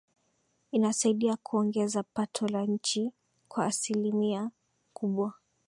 inasaidia kuongeza pato la nchi kwa asilimia kubwa